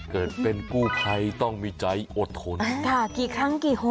ขอบคุณค่ะ